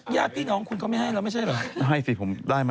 ย่าพี่น้องคุณเขาไม่ให้เราใช่เหรอไม่ได้สิ